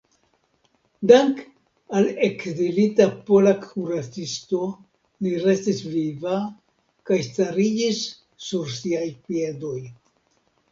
Dank‘ al ekzilita pola kuracisto li restis viva kaj stariĝis sur siaj piedoj.